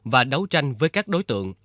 và đấu tranh với các đối tượng